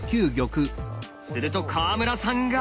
すると川村さんが。